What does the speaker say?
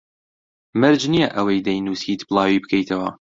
مەرج نییە ئەوەی دەینووسیت بڵاوی بکەیتەوە